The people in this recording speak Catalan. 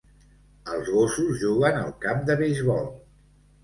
Els gossos juguen al camp de beisbol.